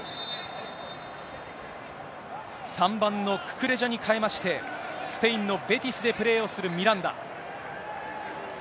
３番のククレジャに変えまして、スペインのベティスでプレーをするミランダ。